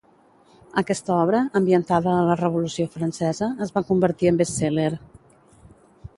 Aquesta obra, ambientada a la Revolució Francesa, es va convertir en best-seller.